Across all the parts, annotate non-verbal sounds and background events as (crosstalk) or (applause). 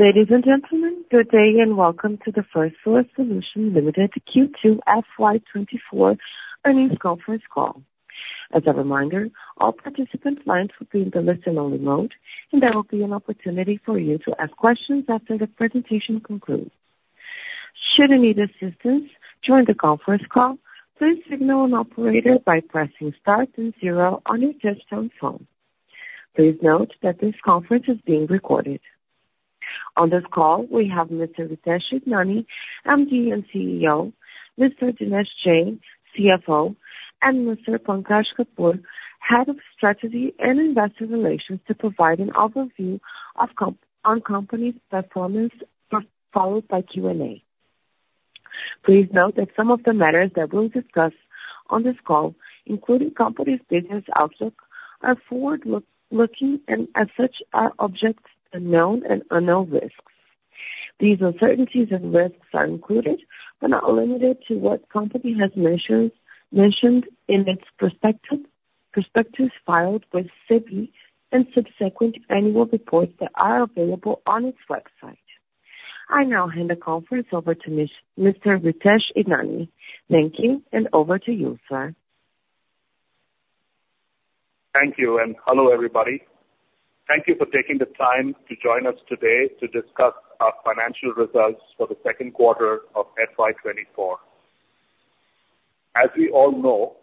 Ladies and gentlemen, good day, and welcome to the Firstsource Solutions Limited Q2 FY24 Earnings Conference Call. As a reminder, all participant lines will be in the listen-only mode, and there will be an opportunity for you to ask questions after the presentation concludes. Should you need assistance during the conference call, please signal an operator by pressing star two zero on your touchtone phone. Please note that this conference is being recorded. On this call, we have Mr. Ritesh Idnani, MD and CEO, Mr. Dinesh Jain, CFO, and Mr. Pankaj Kapoor, Head of Strategy and Investor Relations, to provide an overview of company's performance, followed by Q&A. Please note that some of the matters that we'll discuss on this call, including company's business outlook, are forward-looking, and as such, are subject to known and unknown risks. These uncertainties and risks are included, but not limited to, what the company has mentioned in its prospectus, prospectus filed with SEBI and subsequent annual reports that are available on its website. I now hand the conference over to Mr. Ritesh Idnani. Thank you, and over to you, sir. Thank you, and hello, everybody. Thank you for taking the time to join us today to discuss our financial results for the second quarter of FY 2024. As we all know,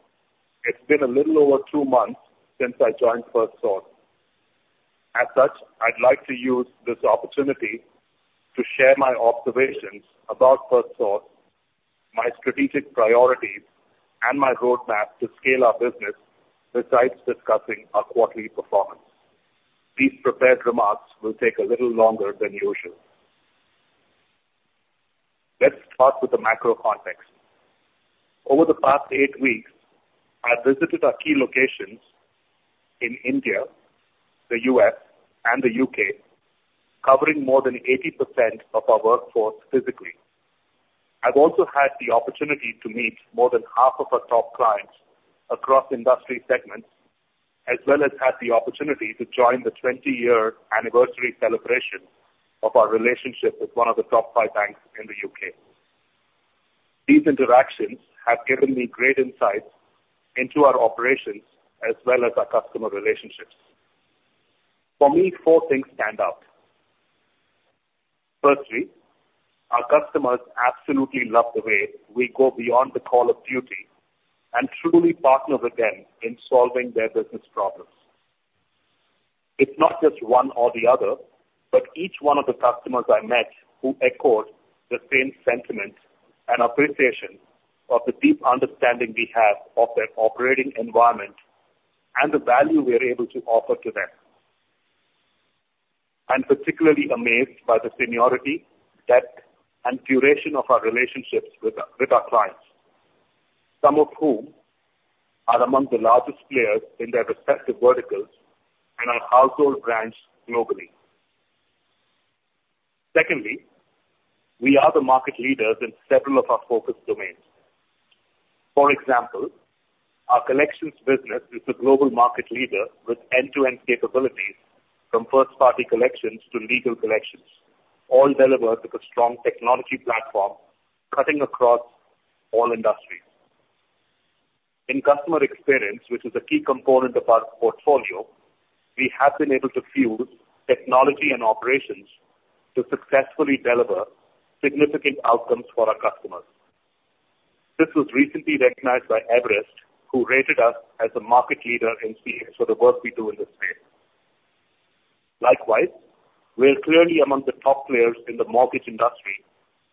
it's been a little over two months since I joined Firstsource. As such, I'd like to use this opportunity to share my observations about Firstsource, my strategic priorities, and my roadmap to scale our business, besides discussing our quarterly performance. These prepared remarks will take a little longer than usual. Let's start with the macro context. Over the past eight weeks, I've visited our key locations in India, the U.S., and the U.K., covering more than 80% of our workforce physically. I've also had the opportunity to meet more than half of our top clients across industry segments, as well as had the opportunity to join the 20-year anniversary celebration of our relationship with one of the top five banks in the U.K. These interactions have given me great insight into our operations as well as our customer relationships. For me, four things stand out. Firstly, our customers absolutely love the way we go beyond the call of duty and truly partner with them in solving their business problems. It's not just one or the other, but each one of the customers I met who echoed the same sentiment and appreciation of the deep understanding we have of their operating environment and the value we are able to offer to them. I'm particularly amazed by the seniority, depth, and duration of our relationships with our, with our clients, some of whom are among the largest players in their respective verticals and are household brands globally. Secondly, we are the market leaders in several of our focus domains. For example, our collections business is the global market leader with end-to-end capabilities, from first-party collections to legal collections, all delivered with a strong technology platform, cutting across all industries. In customer experience, which is a key component of our portfolio, we have been able to fuse technology and operations to successfully deliver significant outcomes for our customers. This was recently recognized by Everest, who rated us as a market leader in CX for the work we do in this space. Likewise, we're clearly among the top players in the mortgage industry,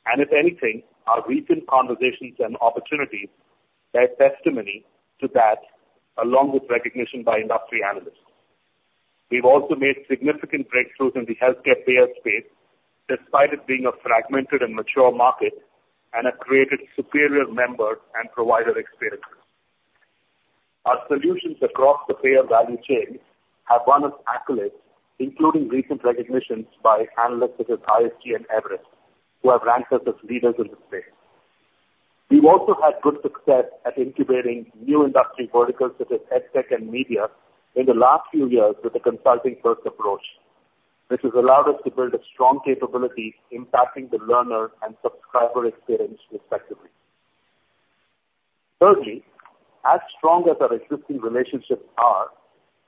and if anything, our recent conversations and opportunities bear testimony to that, along with recognition by industry analysts. We've also made significant breakthroughs in the Healthcare payer space, despite it being a fragmented and mature market, and have created superior member and provider experiences. Our solutions across the payer value chain have won us accolades, including recent recognitions by analysts such as ISG and Everest, who have ranked us as leaders in the space. We've also had good success at incubating new industry verticals, such as EdTech and media, in the last few years with a consulting-first approach. This has allowed us to build a strong capability impacting the learner and subscriber experience, respectively. Thirdly, as strong as our existing relationships are,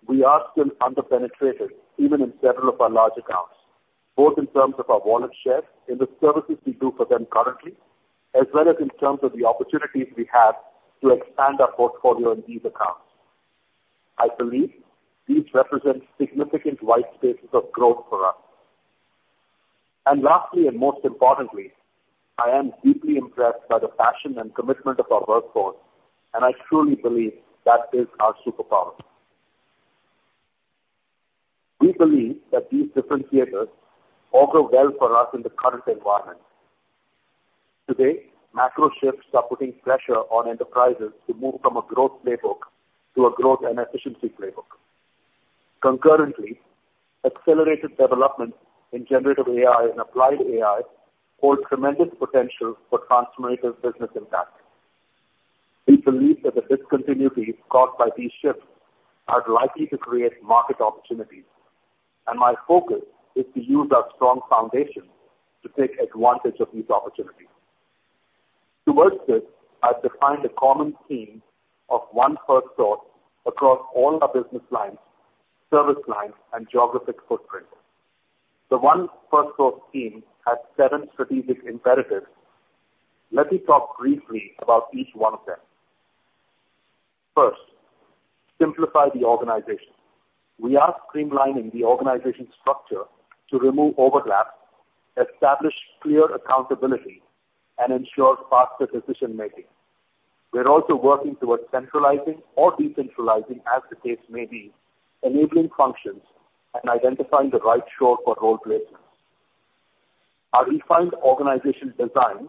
we are still underpenetrated, even in several of our large accounts, both in terms of our wallet share in the services we do for them currently, as well as in terms of the opportunities we have to expand our portfolio in these accounts. I believe these represent significant white spaces of growth for us. Lastly, and most importantly, I am deeply impressed by the passion and commitment of our workforce, and I truly believe that is our superpower. We believe that these differentiators augur well for us in the current environment. Today, macro shifts are putting pressure on enterprises to move from a growth playbook to a growth and efficiency playbook. Concurrently, accelerated development in generative AI and applied AI hold tremendous potential for transformative business impact. We believe that the discontinuities caused by these shifts are likely to create market opportunities, and my focus is to use our strong foundation to take advantage of these opportunities. Towards this, I've defined a common theme of One Firstsource across all our business lines, service lines, and geographic footprint. The One Firstsource team has seven strategic imperatives. Let me talk briefly about each one of them. First, simplify the organization. We are streamlining the organization structure to remove overlap, establish clear accountability, and ensure faster decision making. We're also working towards centralizing or decentralizing, as the case may be, enabling functions and identifying the right shore for role placement. Our refined organization design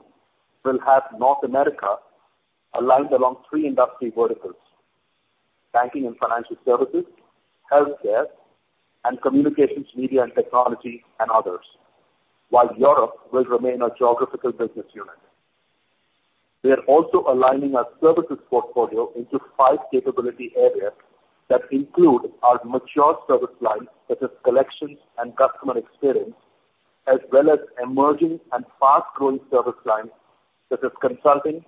will have North America aligned along three industry verticals: banking and financial services, healthcare, and communications, media and technology, and others, while Europe will remain a geographical business unit. We are also aligning our services portfolio into five capability areas that include our mature service lines, such as collections and customer experience, as well as emerging and fast-growing service lines, such as consulting,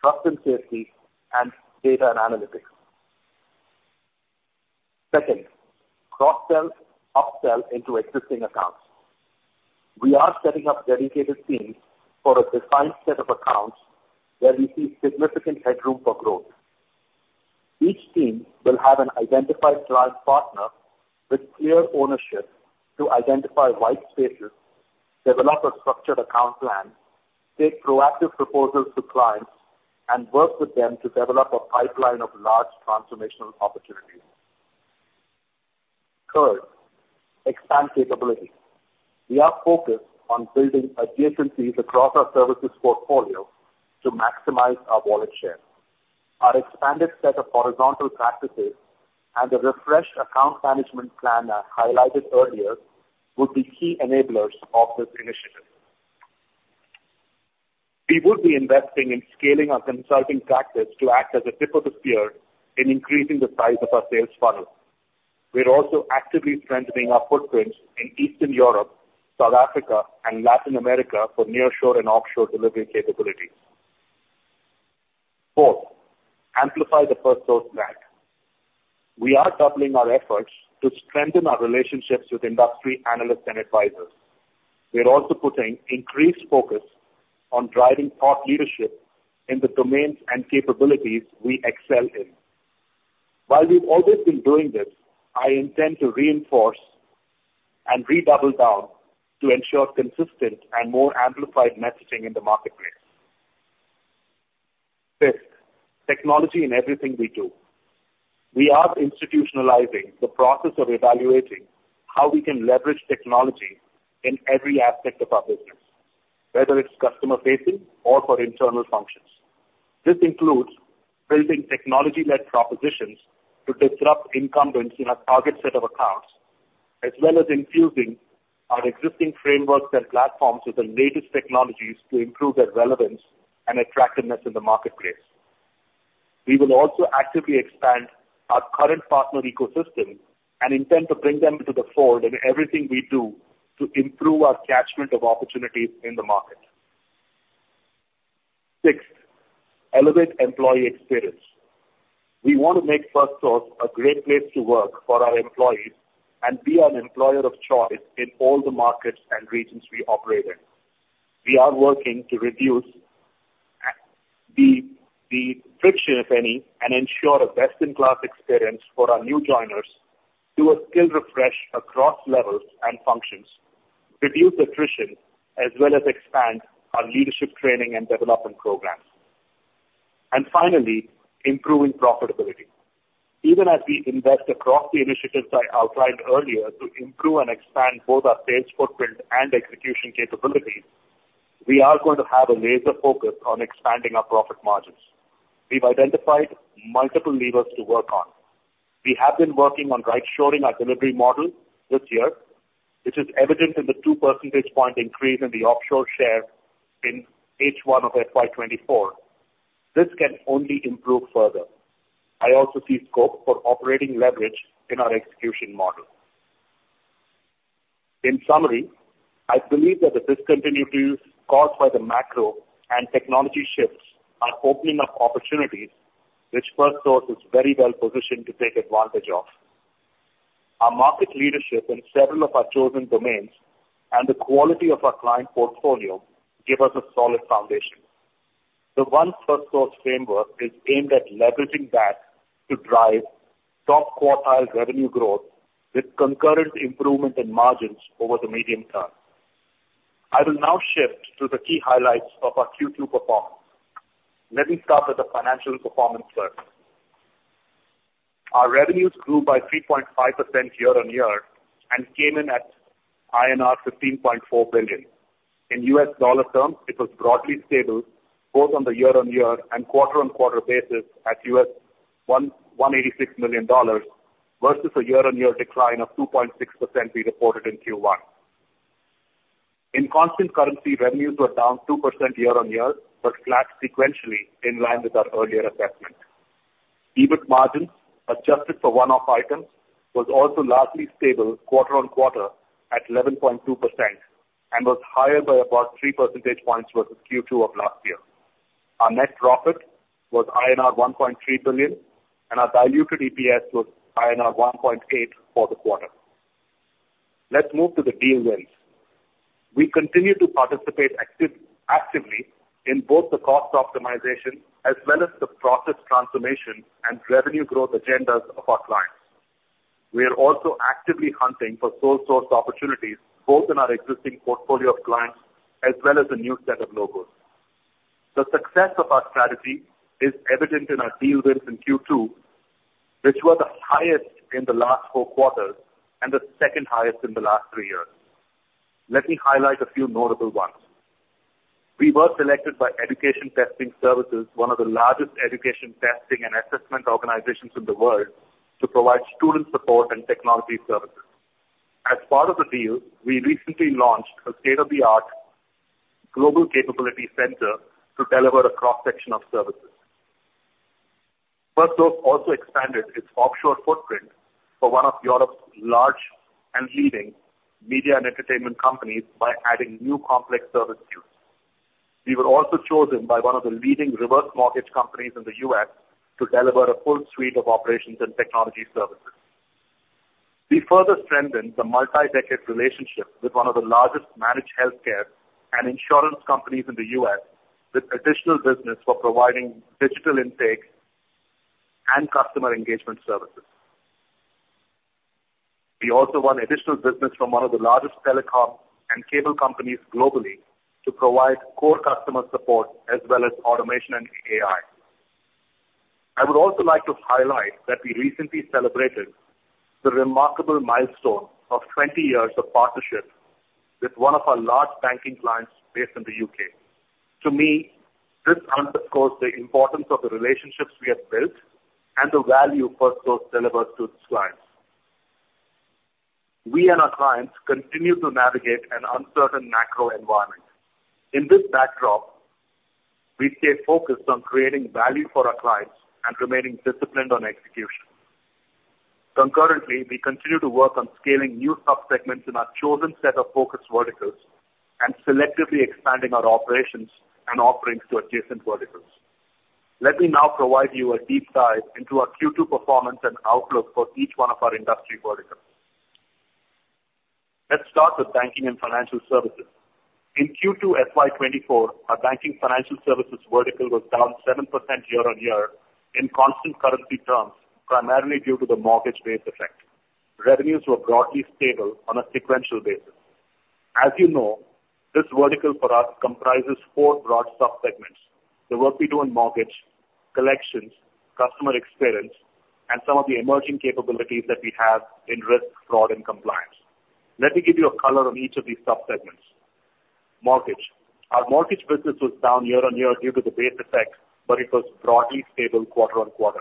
trust and safety, and data and analytics. Second, cross-sell, upsell into existing accounts. We are setting up dedicated teams for a defined set of accounts where we see significant headroom for growth. Each team will have an identified client partner with clear ownership to identify white spaces, develop a structured account plan, take proactive proposals to clients, and work with them to develop a pipeline of large transformational opportunities. Third, expand capabilities. We are focused on building adjacencies across our services portfolio to maximize our wallet share. Our expanded set of horizontal practices and the refreshed account management plan I highlighted earlier would be key enablers of this initiative. We will be investing in scaling our consulting practice to act as a tip of the spear in increasing the size of our sales funnel. We are also actively strengthening our footprints in Eastern Europe, South Africa, and Latin America for nearshore and offshore delivery capabilities. Fourth, amplify the Firstsource brand. We are doubling our efforts to strengthen our relationships with industry analysts and advisors. We are also putting increased focus on driving thought leadership in the domains and capabilities we excel in. While we've always been doing this, I intend to reinforce and redouble down to ensure consistent and more amplified messaging in the marketplace. Fifth, technology in everything we do. We are institutionalizing the process of evaluating how we can leverage technology in every aspect of our business, whether it's customer facing or for internal functions. This includes building technology-led propositions to disrupt incumbents in our target set of accounts, as well as infusing our existing frameworks and platforms with the latest technologies to improve their relevance and attractiveness in the marketplace. We will also actively expand our current partner ecosystem and intend to bring them to the fore in everything we do to improve our catchment of opportunities in the market. Sixth, elevate employee experience. We want to make Firstsource a great place to work for our employees and be an employer of choice in all the markets and regions we operate in. We are working to reduce the friction, if any, and ensure a best-in-class experience for our new joiners, do a skill refresh across levels and functions, reduce attrition, as well as expand our leadership training and development programs. And finally, improving profitability. Even as we invest across the initiatives I outlined earlier to improve and expand both our sales footprint and execution capabilities, we are going to have a laser focus on expanding our profit margins. We've identified multiple levers to work on. We have been working on rightshoring our delivery model this year, which is evident in the two percentage point increase in the offshore share in H1 of FY 2024. This can only improve further. I also see scope for operating leverage in our execution model. In summary, I believe that the discontinuities caused by the macro and technology shifts are opening up opportunities which Firstsource is very well positioned to take advantage of. Our market leadership in several of our chosen domains and the quality of our client portfolio give us a solid foundation. The One Firstsource framework is aimed at leveraging that to drive top quartile revenue growth with concurrent improvement in margins over the medium term. I will now shift to the key highlights of our Q2 performance. Let me start with the financial performance first. Our revenues grew by 3.5% year-on-year and came in at INR 15.4 billion. In US dollar terms, it was broadly stable both on the year-on-year and quarter-on-quarter basis at $111.86 million versus a year-on-year decline of 2.6% we reported in Q1. In constant currency, revenues were down 2% year-on-year, but flat sequentially, in line with our earlier assessment. EBIT margin, adjusted for one-off items, was also largely stable quarter-on-quarter at 11.2% and was higher by about three percentage points versus Q2 of last year. Our net profit was INR 1.3 billion, and our diluted EPS was INR 1.8 for the quarter. Let's move to the deal wins. We continue to participate actively in both the cost optimization as well as the process transformation and revenue growth agendas of our clients. We are also actively hunting for sole source opportunities, both in our existing portfolio of clients as well as a new set of logos. The success of our strategy is evident in our deal wins in Q2, which were the highest in the last four quarters and the second highest in the last three years. Let me highlight a few notable ones. We were selected by Educational Testing Service, one of the largest education testing and assessment organizations in the world, to provide student support and technology services. As part of the deal, we recently launched a state-of-the-art global capability center to deliver a cross-section of services. Firstsource also expanded its offshore footprint for one of Europe's large and leading media and entertainment companies by adding new complex service tiers. We were also chosen by one of the leading reverse mortgage companies in the U.S. to deliver a full suite of operations and technology services. We further strengthened the multi-decade relationship with one of the largest managed healthcare and insurance companies in the U.S., with additional business for providing digital intake and customer engagement services. We also won additional business from one of the largest telecom and cable companies globally to provide core customer support as well as automation and AI. I would also like to highlight that we recently celebrated the remarkable milestone of 20 years of partnership with one of our large banking clients based in the UK. To me, this underscores the importance of the relationships we have built and the value Firstsource delivers to its clients. We and our clients continue to navigate an uncertain macro environment. In this backdrop, we stay focused on creating value for our clients and remaining disciplined on execution. Concurrently, we continue to work on scaling new subsegments in our chosen set of focus verticals and selectively expanding our operations and offerings to adjacent verticals. Let me now provide you a deep dive into our Q2 performance and outlook for each one of our industry verticals. Let's start with banking and financial services. In Q2 FY 2024, our Banking and Financial Services vertical was down 7% year-on-year in constant currency terms, primarily due to the mortgage base effect. Revenues were broadly stable on a sequential basis. As you know, this vertical for us comprises four broad subsegments: the work we do in mortgage, collections, customer experience, and some of the emerging capabilities that we have in risk, fraud, and compliance. Let me give you a color on each of these subsegments. Mortgage. Our mortgage business was down year-on-year due to the base effect, but it was broadly stable quarter-on-quarter.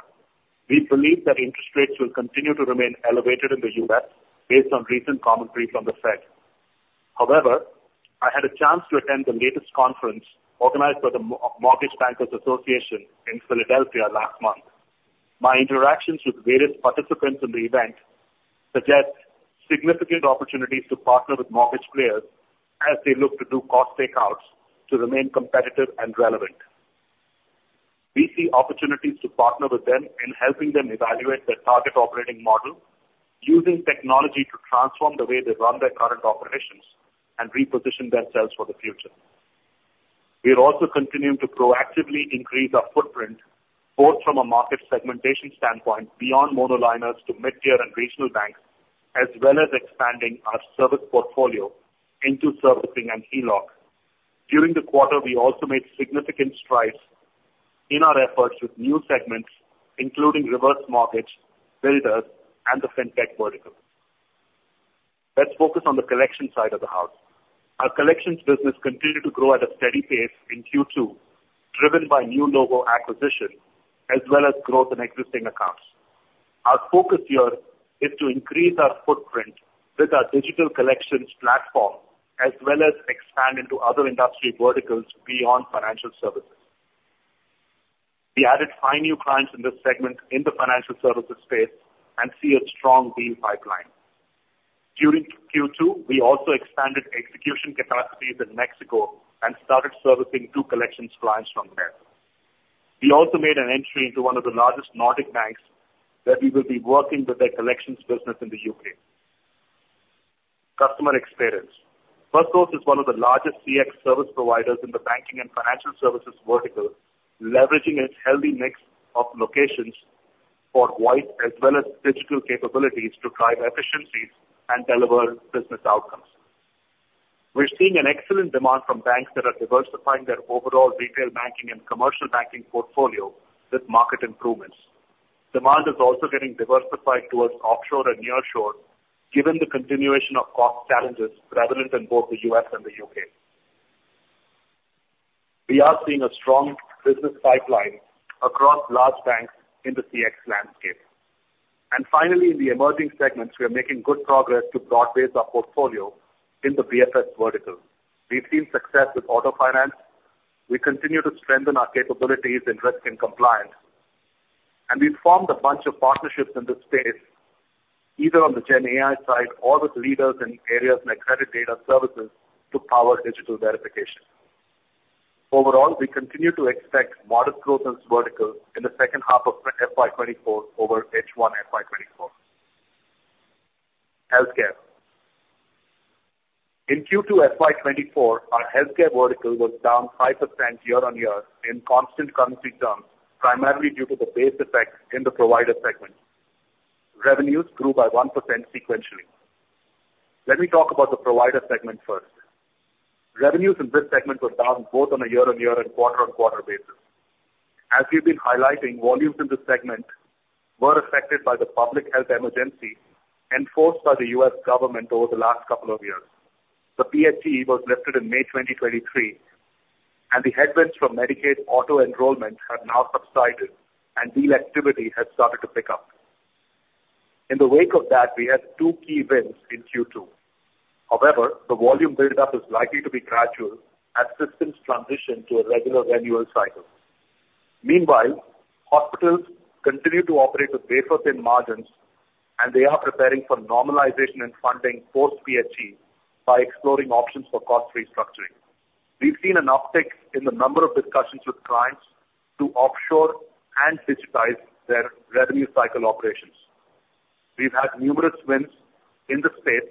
We believe that interest rates will continue to remain elevated in the U.S. based on recent commentary from the Fed. However, I had a chance to attend the latest conference organized by the Mortgage Bankers Association in Philadelphia last month. My interactions with various participants in the event suggest significant opportunities to partner with mortgage players as they look to do cost takeouts to remain competitive and relevant. We see opportunities to partner with them in helping them evaluate their target operating model, using technology to transform the way they run their current operations and reposition themselves for the future. We are also continuing to proactively increase our footprint, both from a market segmentation standpoint, beyond monoliners to mid-tier and regional banks, as well as expanding our service portfolio into servicing and HELOC. During the quarter, we also made significant strides in our efforts with new segments, including reverse mortgage, builders, and the Fintech vertical. Let's focus on the collection side of the house. Our collections business continued to grow at a steady pace in Q2, driven by new logo acquisition as well as growth in existing accounts. Our focus here is to increase our footprint with our digital collections platform, as well as expand into other industry verticals beyond financial services. We added five new clients in this segment in the financial services space and see a strong deal pipeline. During Q2, we also expanded execution capacities in Mexico and started servicing two collections clients from there. We also made an entry into one of the largest Nordic banks, where we will be working with their collections business in the U.K. customer experience. Firstsource is one of the largest CX service providers in the banking and financial services vertical, leveraging its healthy mix of locations for voice as well as digital capabilities to drive efficiencies and deliver business outcomes. We're seeing an excellent demand from banks that are diversifying their overall retail banking and commercial banking portfolio with market improvements. Demand is also getting diversified towards offshore and nearshore, given the continuation of cost challenges prevalent in both the U.S. and the U.K. We are seeing a strong business pipeline across large banks in the CX landscape. And finally, in the emerging segments, we are making good progress to broad base our portfolio in the BFS vertical. We've seen success with auto finance. We continue to strengthen our capabilities in risk and compliance, and we've formed a bunch of partnerships in this space, either on the Gen AI side or with leaders in areas like credit data services to power digital verification. Overall, we continue to expect modest growth in this vertical in the second half of FY 2024 over H1 FY 2024. Healthcare. In Q2 FY 2024, our healthcare vertical was down 5% year-on-year in constant currency terms, primarily due to the base effect in the provider segment. Revenues grew by 1% sequentially. Let me talk about the provider segment first. Revenues in this segment were down both on a year-on-year and quarter-on-quarter basis. As we've been highlighting, volumes in this segment were affected by the public health emergency enforced by the U.S. government over the last couple of years. The PHE was lifted in May 2023, and the headwinds from Medicaid auto-enrollment have now subsided, and deal activity has started to pick up. In the wake of that, we had two key wins in Q2. However, the volume buildup is likely to be gradual as systems transition to a regular annual cycle. Meanwhile, hospitals continue to operate with wafer-thin margins, and they are preparing for normalization in funding post-PHE by exploring options for cost restructuring. We've seen an uptick in the number of discussions with clients to offshore and digitize their revenue cycle operations. We've had numerous wins in the space,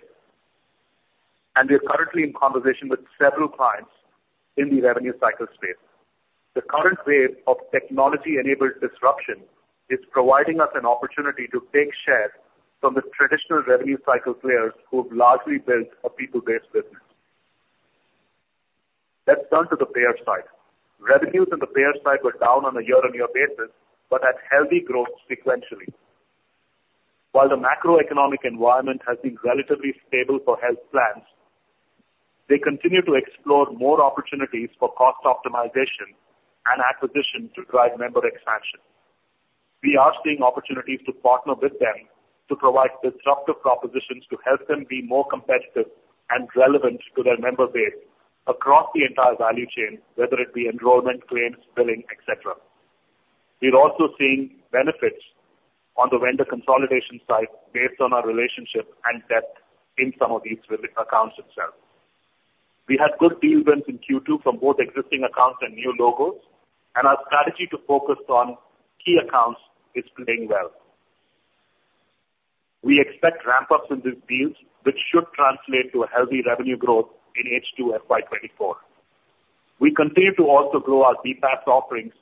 and we are currently in conversation with several clients in the revenue cycle space. The current wave of technology-enabled disruption is providing us an opportunity to take share from the traditional revenue cycle players who have largely built a people-based business. Let's turn to the payer side. Revenues in the payer side were down on a year-on-year basis, but had healthy growth sequentially. While the macroeconomic environment has been relatively stable for health plans, they continue to explore more opportunities for cost optimization and acquisition to drive member expansion. We are seeing opportunities to partner with them to provide disruptive propositions to help them be more competitive and relevant to their member base across the entire value chain, whether it be enrollment, claims, billing, et cetera. We're also seeing benefits on the vendor consolidation side based on our relationship and depth in some of these accounts itself. We had good deal wins in Q2 from both existing accounts and new logos, and our strategy to focus on key accounts is playing well. We expect ramp-ups in these deals, which should translate to a healthy revenue growth in H2 FY 2024. We continue to also grow our BPaaS offerings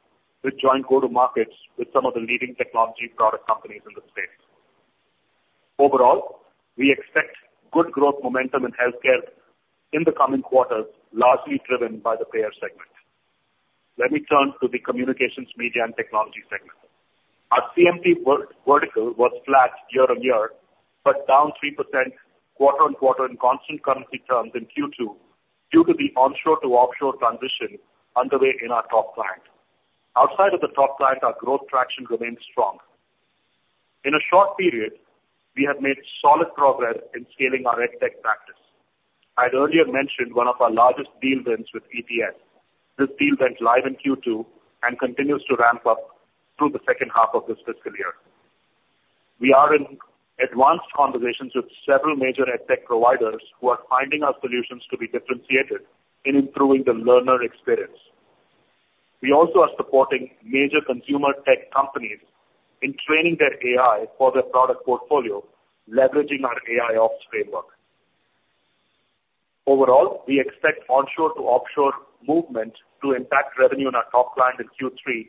with joint go-to-markets with some of the leading technology product companies in the space. Overall, we expect good growth momentum in healthcare in the coming quarters, largely driven by the payer segment. Let me turn to the communications, media, and technology segment. Our CMT vertical was flat year-on-year, but down 3% quarter-on-quarter in constant currency terms in Q2, due to the onshore to offshore transition underway in our top client. Outside of the top client, our growth traction remains strong. In a short period, we have made solid progress in scaling our EdTech practice. I'd earlier mentioned one of our largest deal wins with ETS. This deal went live in Q2 and continues to ramp up through the second half of this fiscal year. We are in advanced conversations with several major EdTech providers, who are finding our solutions to be differentiated in improving the learner experience. We also are supporting major consumer tech companies in training their AI for their product portfolio, leveraging our AIOps framework. Overall, we expect onshore to offshore movement to impact revenue in our top client in Q3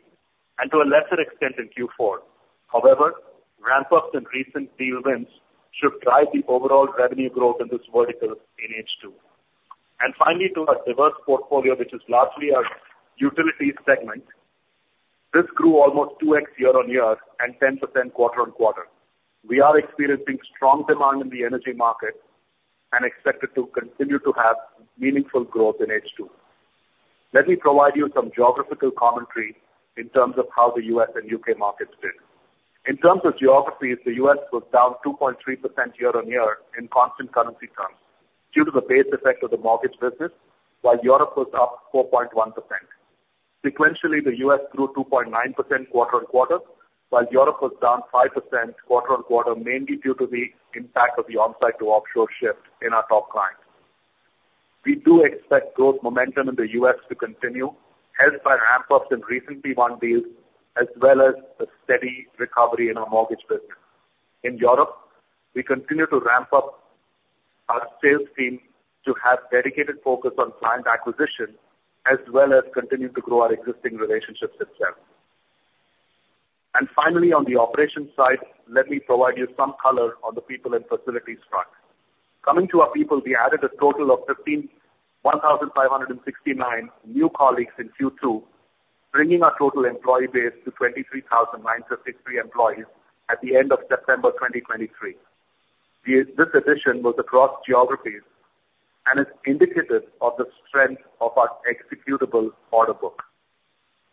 and to a lesser extent, in Q4. However, ramp-ups in recent deal wins should drive the overall revenue growth in this vertical in H2. And finally, to our diverse portfolio, which is largely our utilities segment. This grew almost 2x year-on-year and 10% quarter-on-quarter. We are experiencing strong demand in the energy market and expect it to continue to have meaningful growth in H2. Let me provide you some geographical commentary in terms of how the U.S. and U.K. markets did. In terms of geographies, the U.S. was down 2.3% year-on-year in constant currency terms due to the base effect of the mortgage business, while Europe was up 4.1%. Sequentially, the U.S. grew 2.9% quarter-on-quarter, while Europe was down 5% quarter-on-quarter, mainly due to the impact of the onsite to offshore shift in our top client. We do expect growth momentum in the U.S. to continue, helped by ramp-ups in recently won deals, as well as the steady recovery in our mortgage business. In Europe, we continue to ramp up our sales team to have dedicated focus on client acquisition, as well as continue to grow our existing relationships itself. And finally, on the operations side, let me provide you some color on the people and facilities front. Coming to our people, we added a total of 1,569 new colleagues in Q2, bringing our total employee base to 23,963 employees at the end of September 2023. This addition was across geographies and is indicative of the strength of our executable order book.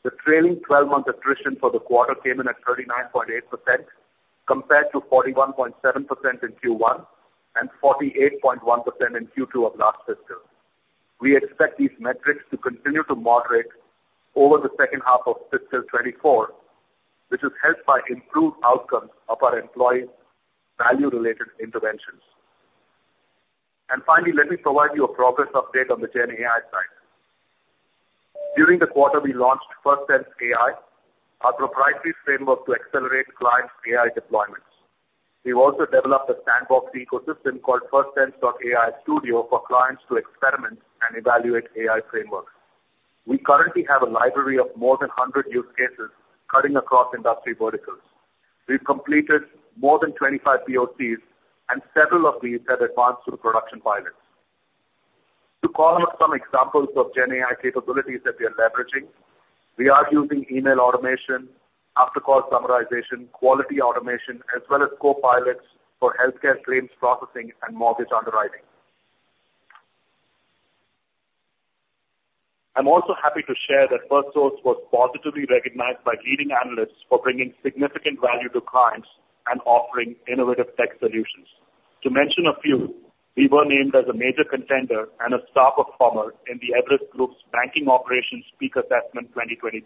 The trailing twelve-month attrition for the quarter came in at 39.8%, compared to 41.7% in Q1 and 48.1% in Q2 of last fiscal. We expect these metrics to continue to moderate over the second half of fiscal 2024, which is helped by improved outcomes of our employee value-related interventions. Finally, let me provide you a progress update on the GenAI side. During the quarter, we launched FirstSense AI, our proprietary framework to accelerate clients' AI deployments. We've also developed a sandbox ecosystem called FirstSense AI Studio for clients to experiment and evaluate AI frameworks. We currently have a library of more than 100 use cases cutting across industry verticals. We've completed more than 25 POCs, and several of these have advanced to production pilots. To call out some examples of GenAI capabilities that we are leveraging, we are using email automation, after-call summarization, quality automation, as well as copilots for healthcare claims processing and mortgage underwriting. I'm also happy to share that Firstsource was positively recognized by leading analysts for bringing significant value to clients and offering innovative tech solutions. To mention a few, we were named as a major contender and a star performer in Everest Group's Banking Operations PEAK Assessment 2023.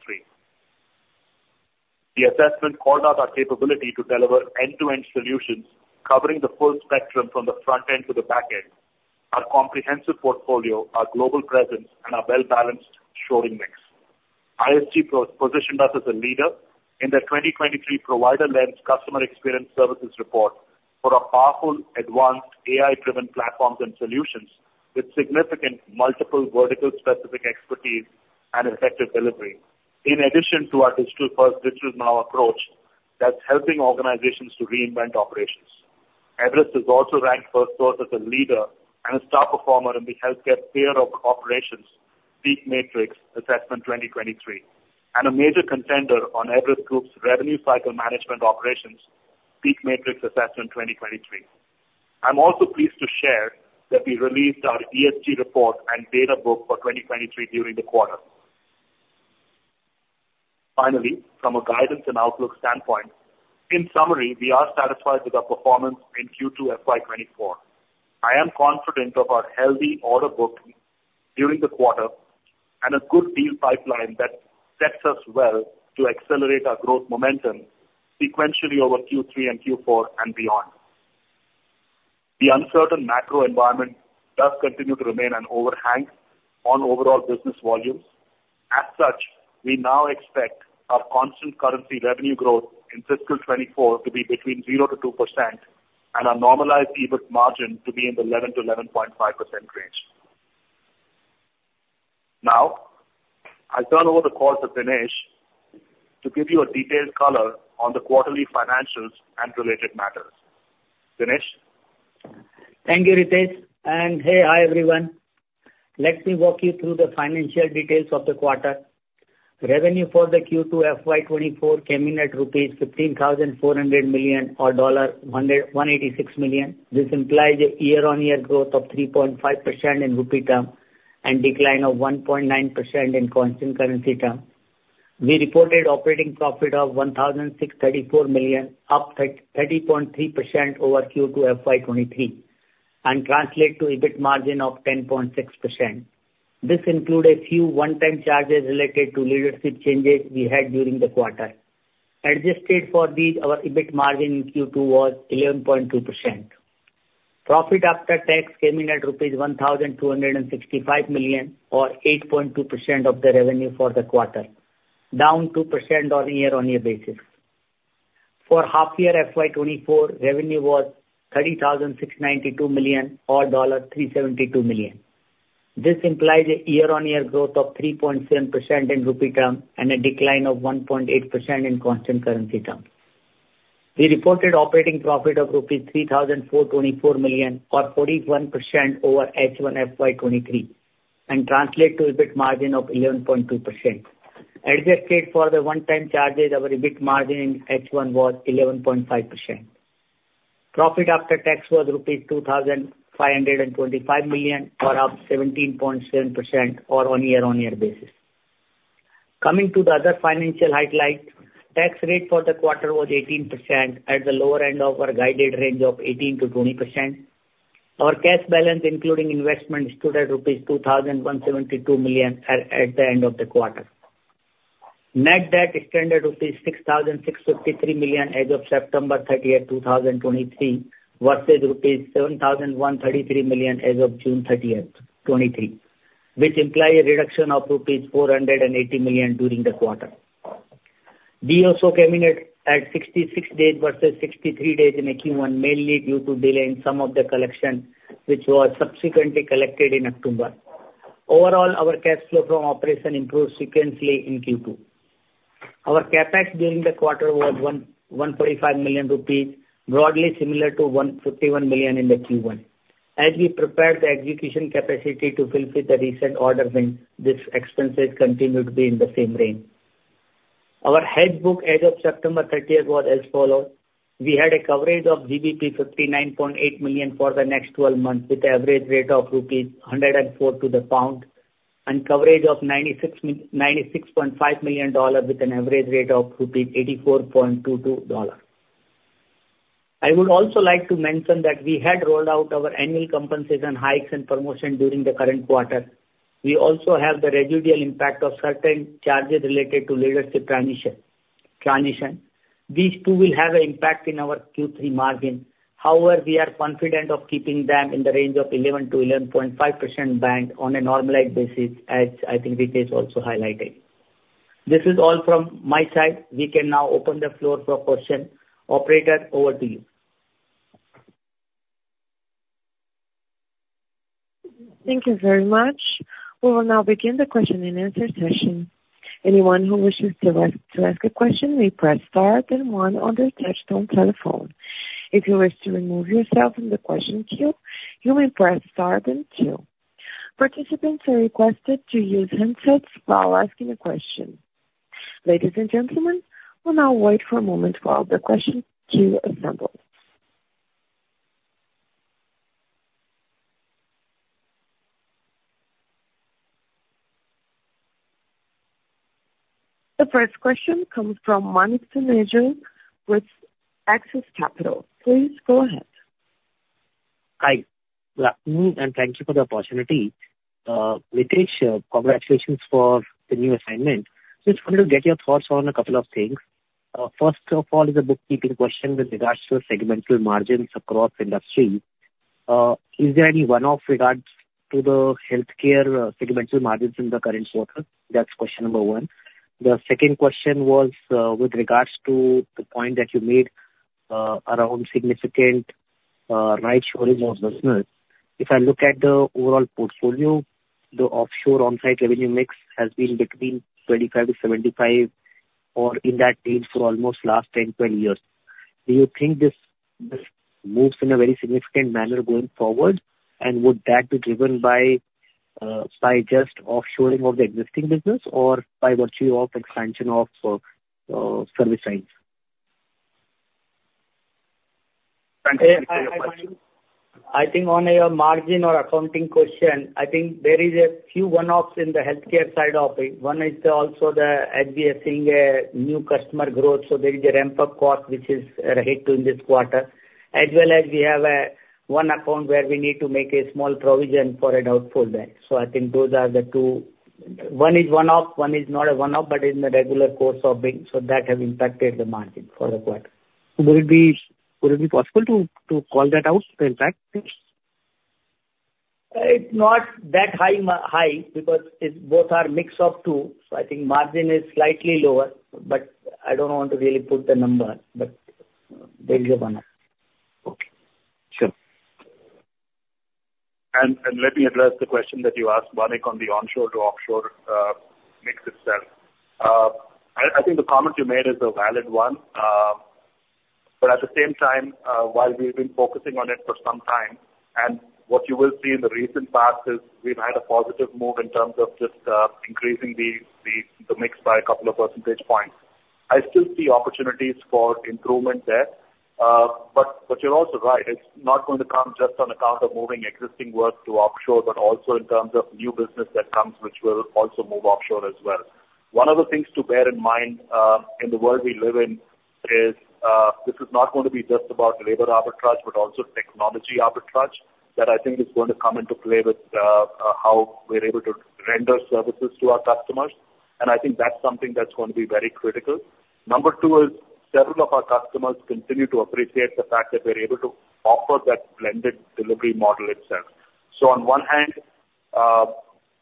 The assessment called out our capability to deliver end-to-end solutions, covering the full spectrum from the front end to the back end, our comprehensive portfolio, our global presence, and our well-balanced shoring mix. ISG positioned us as a leader in their 2023 Provider Lens Customer Experience Services report for our powerful, advanced, AI-driven platforms and solutions with significant multiple vertical-specific expertise and effective delivery. In addition to our digital first, digital now approach, that's helping organizations to reinvent operations. Everest Group has also ranked Firstsource as a leader and a star performer in the Healthcare Payer Operations PEAK Matrix Assessment 2023, and a major contender on Everest Group's Revenue Cycle Management Operations PEAK Matrix Assessment 2023. I'm also pleased to share that we released our ESG report and data book for 2023 during the quarter. Finally, from a guidance and outlook standpoint, in summary, we are satisfied with our performance in Q2 FY 2024. I am confident of our healthy order book during the quarter and a good deal pipeline that sets us well to accelerate our growth momentum sequentially over Q3 and Q4 and beyond. The uncertain macro environment does continue to remain an overhang on overall business volumes. As such, we now expect our constant currency revenue growth in fiscal 2024 to be between 0%-2% and our normalized EBIT margin to be in the 11%-11.5% range. Now, I turn over the call to Dinesh to give you a detailed color on the quarterly financials and related matters. Dinesh? Thank you, Ritesh, and hey, hi, everyone. Let me walk you through the financial details of the quarter. Revenue for the Q2 FY 2024 came in at rupees 15,400 million or $186 million. This implies a year-on-year growth of 3.5% in rupee term and decline of 1.9% in constant currency term. We reported operating profit of 1,634 million, up 30.3% over Q2 FY 2023, and translate to EBIT margin of 10.6%. This include a few one-time charges related to leadership changes we had during the quarter. Adjusted for these, our EBIT margin in Q2 was 11.2%. Profit After Tax came in at rupees 1,265 million, or 8.2% of the revenue for the quarter, down 2% on a year-on-year basis. For half year FY 2024, revenue was 30,692 million or $372 million. This implies a year-on-year growth of 3.7% in rupee term and a decline of 1.8% in constant currency term. We reported operating profit of rupees 3,424 million, or 41% over H1 FY 2023, and translate to EBIT margin of 11.2%. Adjusted for the one-time charges, our EBIT margin in H1 was 11.5%. Profit After Tax was rupees 2,525 million, or up 17.7% on a year-on-year basis. Coming to the other financial highlights, tax rate for the quarter was 18% at the lower end of our guided range of 18%-20%. Our cash balance, including investments, stood at rupees 2,172 million at the end of the quarter. Net debt extended rupees 6,653 million as of September 30, 2023, versus rupees 7,133 million as of June 30, 2023, which imply a reduction of rupees 480 million during the quarter. DSO came in at 66 days versus 63 days in Q1, mainly due to delay in some of the collection, which was subsequently collected in October. Overall, our cash flow from operation improved sequentially in Q2. Our CapEx during the quarter was 145 million rupees, broadly similar to 151 million in the Q1. As we prepare the execution capacity to fulfill the recent order win, these expenses continue to be in the same range. Our hedge book as of September 30th was as follows: We had a coverage of GBP 59.8 million for the next 12 months, with an average rate of rupees 104 to the pound, and coverage of $96.5 million with an average rate of INR 84.22 to the dollar. I would also like to mention that we had rolled out our annual compensation hikes and promotions during the current quarter. We also have the residual impact of certain charges related to leadership transition. These two will have an impact in our Q3 margin. However, we are confident of keeping them in the range of 11%-11.5% band on a normalized basis, as I think Ritesh also highlighted. This is all from my side. We can now open the floor for question. Operator, over to you. Thank you very much. We will now begin the question and answer session. Anyone who wishes to ask a question may press star then one on their touchtone telephone. If you wish to remove yourself from the question queue, you may press star then two. Participants are requested to use handsets while asking a question. Ladies and gentlemen, we'll now wait for a moment while the question queue assembles. The first question comes from Manik Taneja with Axis Capital. Please go ahead. Hi, good afternoon, and thank you for the opportunity. Ritesh, congratulations for the new assignment. Just wanted to get your thoughts on a couple of things. First of all, is a bookkeeping question with regards to segmental margins across industry. Is there any one-off regards to the healthcare segmental margins in the current quarter? That's question number one. The second question was with regards to the point that you made around significant rightshoring of business. If I look at the overall portfolio, the offshore/onshore revenue mix has been between 25-75 or in that range for almost last 10, 12 years. Do you think this, this moves in a very significant manner going forward? And would that be driven by by just offshoring of the existing business or by virtue of expansion of service lines? I think on a margin or accounting question, I think there is a few one-offs in the healthcare side of it. One is also the, as we are seeing, new customer growth, so there is a ramp-up cost, which is a hit in this quarter. As well as we have, one account where we need to make a small provision for a doubtful debt. So I think those are the two. One is one-off, one is not a one-off, but is in the regular course of business, so that has impacted the margin for the quarter. Would it be possible to call that out, the impact? It's not that high because it's both are mix of two, so I think margin is slightly lower, but I don't want to really put the number, but there is a one-off. Okay. Sure. Let me address the question that you asked, Manik, on the onshore to offshore mix itself. I think the comment you made is a valid one, but at the same time, while we've been focusing on it for some time, and what you will see in the recent past is we've had a positive move in terms of just increasing the mix by a couple of percentage points. I still see opportunities for improvement there. You're also right, it's not going to come just on account of moving existing work to offshore, but also in terms of new business that comes, which will also move offshore as well. One of the things to bear in mind in the world we live in is this is not going to be just about labor arbitrage, but also technology arbitrage that I think is going to come into play with how we're able to render services to our customers. I think that's something that's going to be very critical. Number two is, several of our customers continue to appreciate the fact that we're able to offer that blended delivery model itself. On one hand,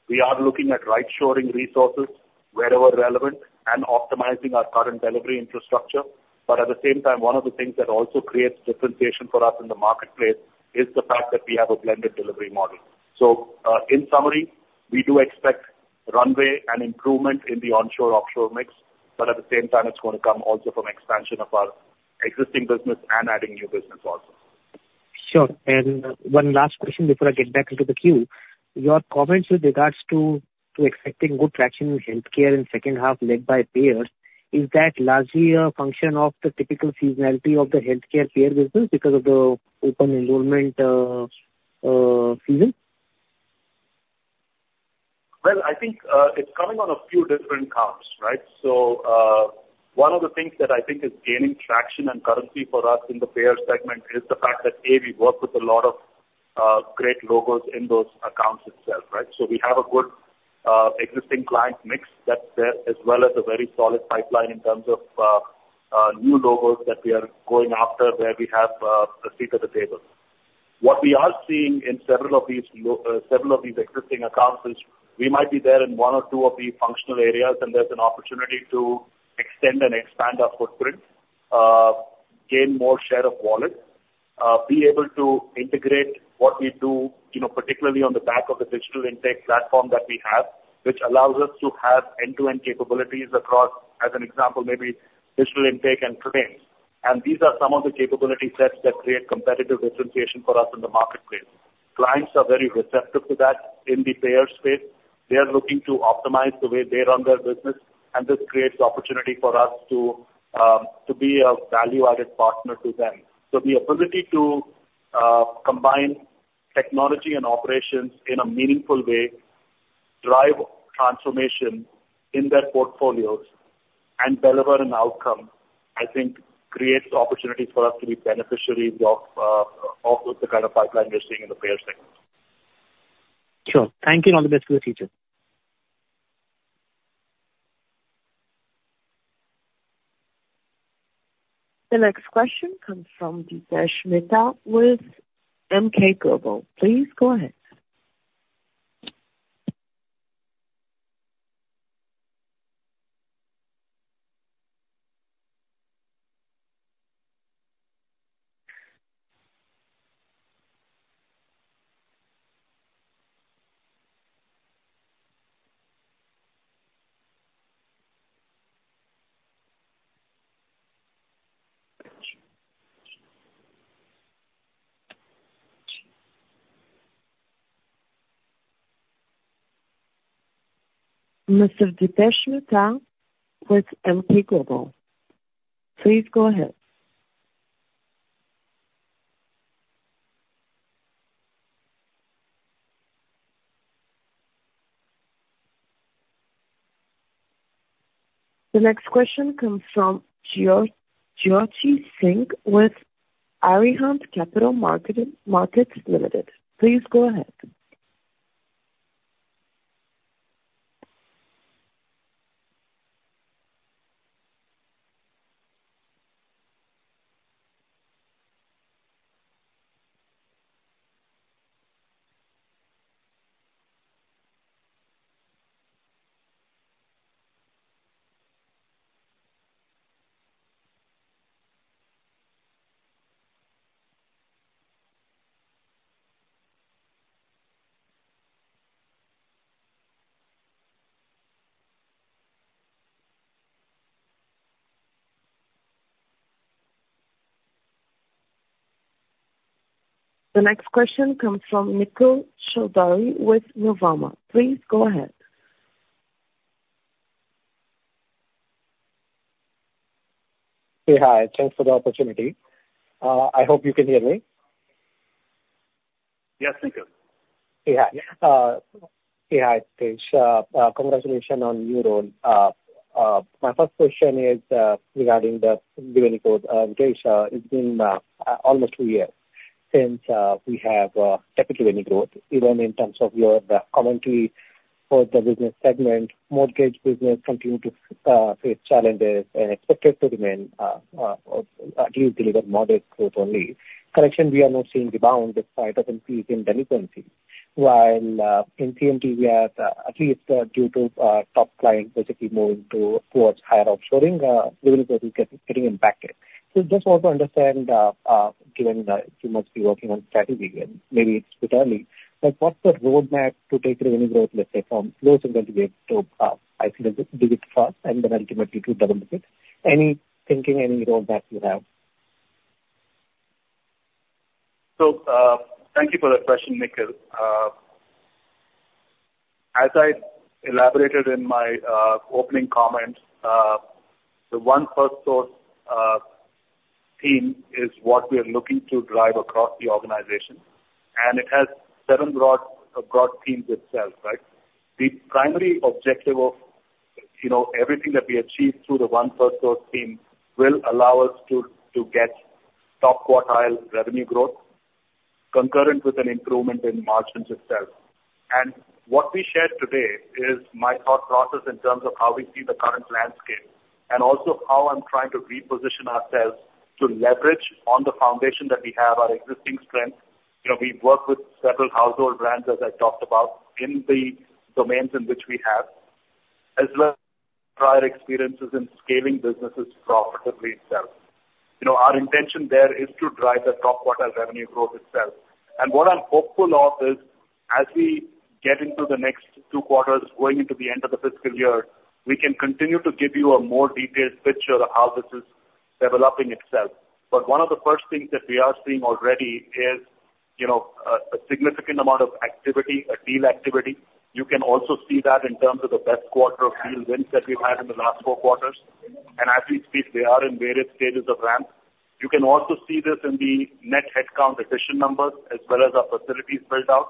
we are looking at right-shoring resources wherever relevant and optimizing our current delivery infrastructure. But at the same time, one of the things that also creates differentiation for us in the marketplace is the fact that we have a blended delivery model. So, in summary, we do expect runway and improvement in the onshore/offshore mix, but at the same time, it's going to come also from expansion of our existing business and adding new business also. Sure. And one last question before I get back into the queue. Your comments with regards to expecting good traction in healthcare in second half led by payers, is that largely a function of the typical seasonality of the healthcare payer business because of the open enrollment season? Well, I think, it's coming on a few different accounts, right? So, one of the things that I think is gaining traction and currency for us in the payer segment is the fact that, A, we work with a lot of, great logos in those accounts itself, right? So we have a good, existing client mix that's there, as well as a very solid pipeline in terms of, new logos that we are going after, where we have, a seat at the table. What we are seeing in several of these existing accounts is, we might be there in one or two of the functional areas, and there's an opportunity to extend and expand our footprint, gain more share of wallet, be able to integrate what we do, you know, particularly on the back of the digital intake platform that we have, which allows us to have end-to-end capabilities across, as an example, maybe digital intake and claims. And these are some of the capability sets that create competitive differentiation for us in the marketplace. Clients are very receptive to that in the payer space. They are looking to optimize the way they run their business, and this creates opportunity for us to be a value-added partner to them. So the ability to, combine technology and operations in a meaningful way, drive transformation in their portfolios and deliver an outcome, I think creates the opportunity for us to be beneficiaries of, of the kind of pipeline we're seeing in the payer segment. Sure. Thank you, and all the best for the future. The next question comes from Dipesh Mehta with Emkay Global. Please go ahead. Mr. Dipesh Mehta with Emkay Global, please go ahead. The next question comes from Jyoti Singh with Arihant Capital Markets Limited. Please go ahead. The next question comes from Nikhil Choudhary with Nuvama. Please go ahead. Hey, hi. Thanks for the opportunity. I hope you can hear me. Yes, Nikhil. Yeah. Yeah, Ritesh, congratulations on your role. My first question is regarding the revenue growth. Ritesh, it's been almost two years since we have typically any growth, even in terms of your the commentary for the business segment, mortgage business continue to face challenges and expected to remain at least deliver modest growth only. Correction, we are not seeing the bound, despite of increase in delinquency, while in CMT, we are at least due to top client basically moving to towards higher offshoring getting impacted. So just want to understand, given that you must be working on strategy and maybe it's bit early, but what's the roadmap to take revenue growth, let's say, from low single digits to high single digit first, and then ultimately to double digits? Any thinking, any roadmap you have? Thank you for that question, Nikhil. As I elaborated in my opening comments, the One Firstsource theme is what we are looking to drive across the organization, and it has several broad, broad themes itself, right? The primary objective of, you know, everything that we achieve through the One Firstsource theme will allow us to get top quartile revenue growth concurrent with an improvement in margins itself. What we shared today is my thought process in terms of how we see the current landscape, and also how I'm trying to reposition ourselves to leverage on the foundation that we have, our existing strength. You know, we've worked with several household brands, as I talked about, in the domains in which we have, as well as prior experiences in scaling businesses profitably itself. You know, our intention there is to drive the top quartile revenue growth itself. What I'm hopeful of is, as we get into the next two quarters, going into the end of the fiscal year, we can continue to give you a more detailed picture of how this is developing itself. But one of the first things that we are seeing already is, you know, a significant amount of activity, a deal activity. You can also see that in terms of the best quarter of deal wins that we've had in the last four quarters, and as we speak, they are in various stages of ramp. You can also see this in the net headcount acquisition numbers, as well as our facilities built out,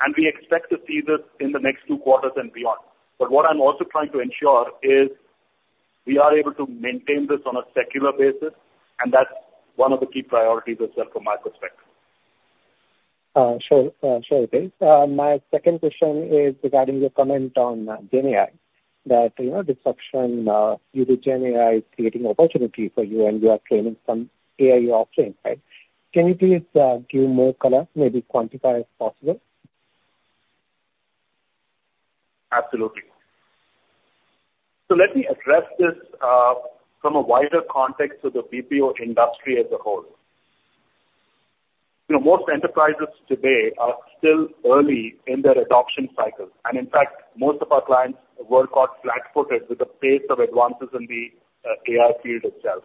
and we expect to see this in the next two quarters and beyond. But what I'm also trying to ensure is we are able to maintain this on a secular basis, and that's one of the key priorities as well, from my perspective. Sure. Sure, Ritesh. My second question is regarding your comment on GenAI, that, you know, disruption due to GenAI is creating opportunity for you, and you are training some AIOps, right? Can you please give more color, maybe quantify if possible? Absolutely. So let me address this from a wider context to the BPO industry as a whole. You know, most enterprises today are still early in their adoption cycle, and in fact, most of our clients were caught flat-footed with the pace of advances in the AI field itself.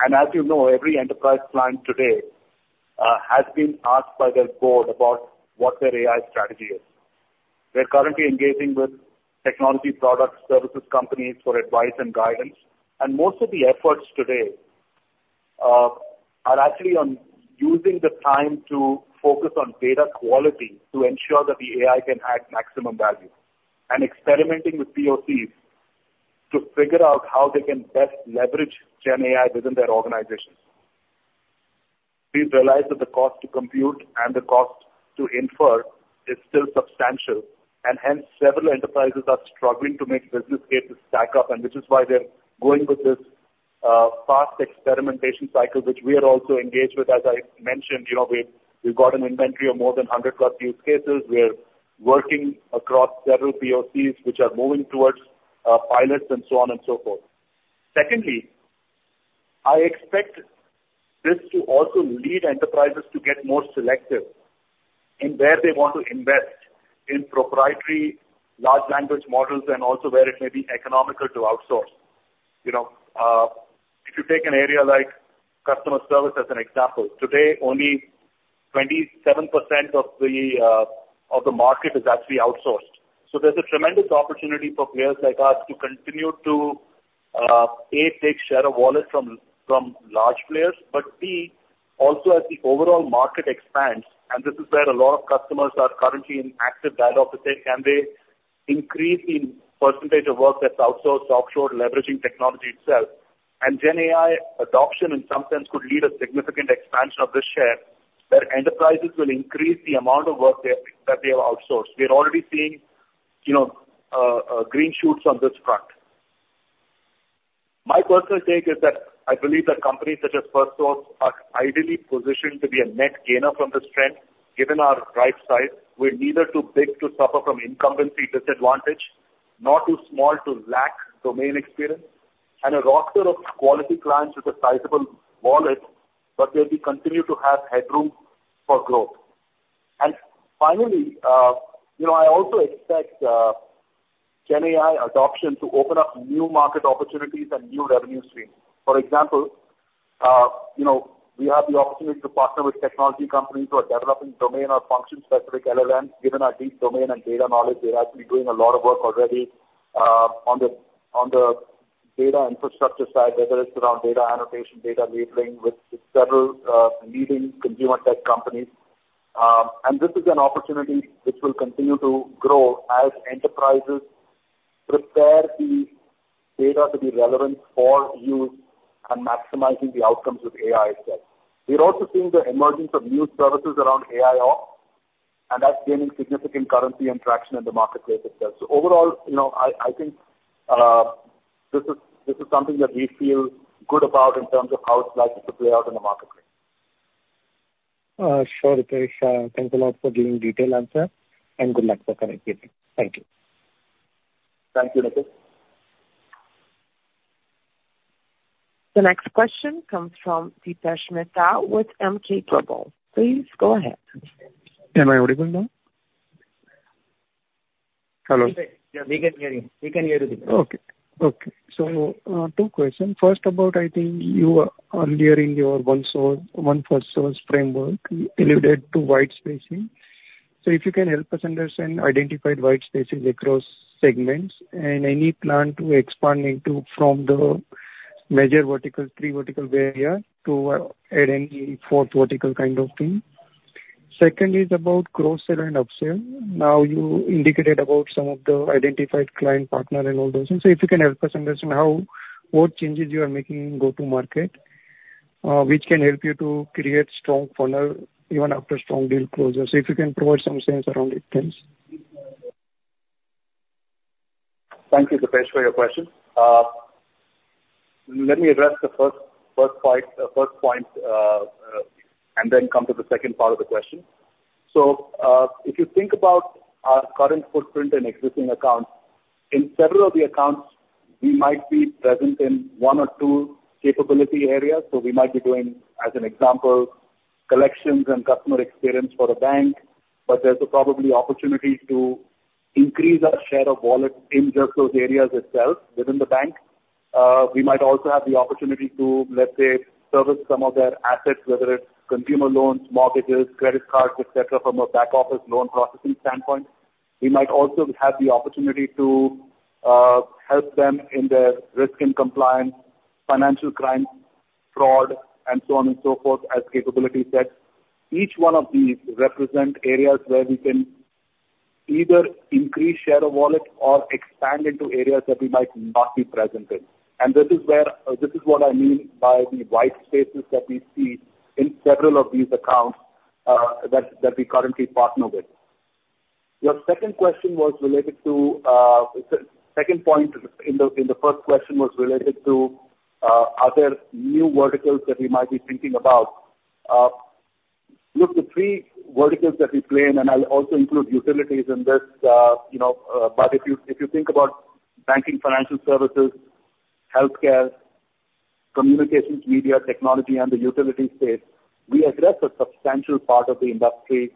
And as you know, every enterprise client today has been asked by their board about what their AI strategy is. We're currently engaging with technology product services companies for advice and guidance, and most of the efforts today are actually on using the time to focus on data quality to ensure that the AI can add maximum value, and experimenting with POCs to figure out how they can best leverage GenAI within their organizations. We realize that the cost to compute and the cost to infer is still substantial, and hence several enterprises are struggling to make business cases stack up, and which is why they're going with this fast experimentation cycle, which we are also engaged with. As I mentioned, you know, we've, we've got an inventory of more than 100+ use cases. We're working across several POCs, which are moving towards pilots and so on and so forth. Secondly, I expect this to also lead enterprises to get more selective in where they want to invest in proprietary large language models, and also where it may be economical to outsource. You know, if you take an area like customer service as an example, today, only 27% of the market is actually outsourced. So there's a tremendous opportunity for players like us to continue to A, take share of wallet from, from large players, but B, also as the overall market expands, and this is where a lot of customers are currently in active dialogue to say, can they increase the percentage of work that's outsourced, offshore, leveraging technology itself? And GenAI adoption in some sense could lead a significant expansion of this share, where enterprises will increase the amount of work they, that they have outsourced. We are already seeing, you know, green shoots on this front. My personal take is that I believe that companies such as Firstsource are ideally positioned to be a net gainer from this trend, given our right size. We're neither too big to suffer from incumbency disadvantage, nor too small to lack domain experience, and a roster of quality clients with a sizable wallet, but where we continue to have headroom for growth. And finally, you know, I also expect GenAI adoption to open up new market opportunities and new revenue streams. For example, you know, we have the opportunity to partner with technology companies who are developing domain or function-specific LLM. Given our deep domain and data knowledge, we're actually doing a lot of work already, on the data infrastructure side, whether it's around data annotation, data labeling, with several leading consumer tech companies. And this is an opportunity which will continue to grow as enterprises prepare the data to be relevant for use and maximizing the outcomes of AI itself. We're also seeing the emergence of new services around AIOps, and that's gaining significant currency and traction in the marketplace itself. So overall, you know, I, I think, this is, this is something that we feel good about in terms of how it's likely to play out in the marketplace. Sure, Ritesh. Thanks a lot for giving detailed answer and good luck for current year. Thank you. Thank you, Nikhil. The next question comes from Dipesh Mehta with Emkay Global. Please go ahead. Am I audible now? Hello. Yeah, we can hear you. We can hear you, Dipesh. Okay. Okay. So, two questions. First about I think you earlier in your OneSource, One Firstsource framework, you alluded to white space. So if you can help us understand, identified white spaces across segments and any plan to expand into from the major vertical, three vertical area to add any fourth vertical kind of thing. Second is about cross-sell and upsell. Now, you indicated about some of the identified client partner and all those things. So if you can help us understand how, what changes you are making in go-to-market, which can help you to create strong funnel even after strong deal closure. So if you can provide some sense around these things. Thank you, Dipesh, for your question. Let me address the first point and then come to the second part of the question. So, if you think about our current footprint and existing accounts, in several of the accounts, we might be present in one or two capability areas. So we might be doing, as an example, collections and customer experience for a bank, but there's probably opportunities to increase our share of wallet in just those areas itself within the bank. We might also have the opportunity to, let's say, service some of their assets, whether it's consumer loans, mortgages, credit cards, et cetera, from a back office loan processing standpoint. We might also have the opportunity to help them in their risk and compliance, financial crime, fraud, and so on and so forth, as capability sets. Each one of these represent areas where we can either increase share of wallet or expand into areas that we might not be present in. And this is where, this is what I mean by the white spaces that we see in several of these accounts, that we currently partner with. Your second question was related to, second point in the first question was related to, are there new verticals that we might be thinking about? Look, the three verticals that we play in, and I'll also include utilities in this, you know, but if you think about banking, financial services, healthcare, communications, media, technology, and the utility space, we address a substantial part of the industry,